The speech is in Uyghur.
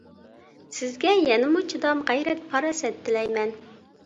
سىزگە يەنىمۇ چىدام غەيرەت، پاراسەت تىلەيمەن!